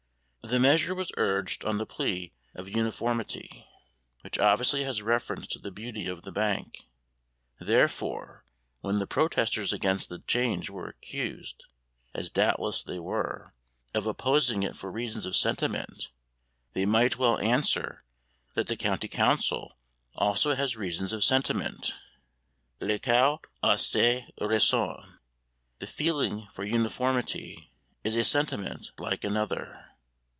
The measure was urged on the plea of uniformity, which obviously has reference to the beauty of the bank. Therefore when the protesters against the change were accused as doubtless they were of opposing it for reasons of sentiment, they might well answer that the County Council also has reasons of sentiment. 'Le coeur a ses raisons!' The feeling for uniformity is a sentiment, like another.